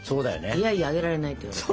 いやいやあげられないって言われて。